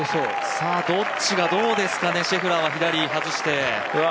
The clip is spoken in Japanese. どっちがどうですかね、シェフラーは左に外して。